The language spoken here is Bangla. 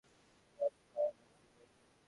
আমি অল্প কাজ করলেই হাপাই যাই।